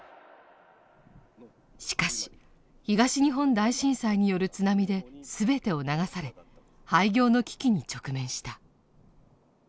しかし東日本大震災による津波で全てを流され廃業の危機に直面した。